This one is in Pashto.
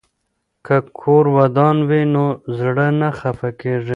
که کور ودان وي نو زړه نه خفه کیږي.